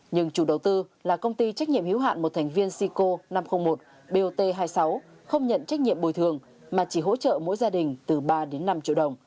nhưng chủ đầu tư là công ty trách nhiệm hiếu hạn một thành viên sico năm trăm linh một bot hai mươi sáu không nhận trách nhiệm bồi thường mà chỉ hỗ trợ mỗi gia đình từ ba đến năm triệu đồng